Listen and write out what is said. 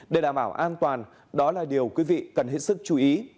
để đảm bảo an toàn đó là điều quý vị cần hết sức chú ý